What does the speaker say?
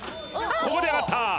ここで上がった！